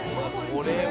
これ。